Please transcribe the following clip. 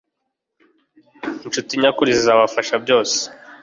inshuti nyakuri zizabafasha byose